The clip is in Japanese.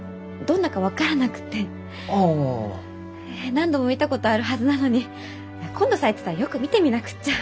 何度も見たことあるはずなのに今度咲いてたらよく見てみなくっちゃ。